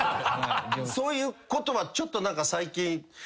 そういうことはちょっと最近。